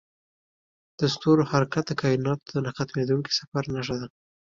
د ستورو حرکت د کایناتو د نه ختمیدونکي سفر نښه ده.